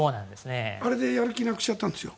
あれでやる気なくしちゃったんですよ。